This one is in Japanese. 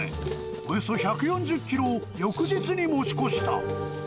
およそ１４０キロを翌日に持ち越した。